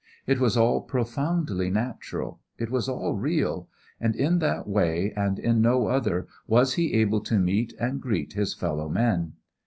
It was all profoundly natural, it was all real, and in that way and in no other was he able to meet and greet his fellow men.